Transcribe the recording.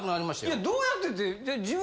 いやどうやってって。